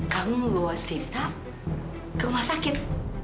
kamu mau bawa sita ke rumah sakit